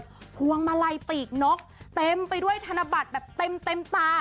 พวงมาลัยปีกนกเต็มไปด้วยธนบัตรแบบเต็มเต็มตา